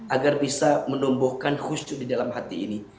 agar bisa menumbuhkan khusyuk di dalam hati ini